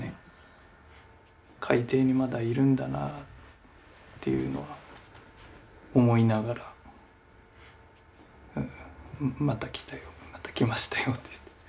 海底にまだいるんだなっていうのは思いながらまた来たよまた来ましたよって。